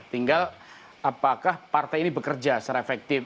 tinggal apakah partai ini bekerja secara efektif